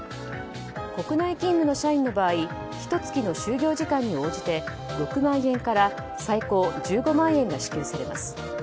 国内勤務の社員の場合ひと月の就業時間に応じて６万円から最高１５万円が支給されます。